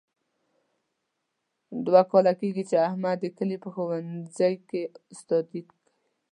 دوه کاله کېږي، چې احمد د کلي په ښوونځۍ کې استادي کوي.